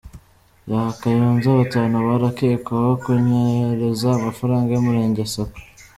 Kayonza Batanu barakekwaho kunyereza amafaranga y’Umurenge sako